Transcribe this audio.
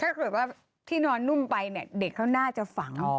ถ้าเกิดว่าที่นอนนุ่มไปเนี่ยเด็กเขาน่าจะฝัง